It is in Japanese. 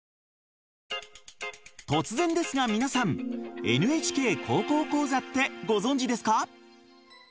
突然ですが皆さん「ＮＨＫ高校講座」ってご存じですか？